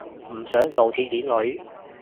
唔想做鐵鏈女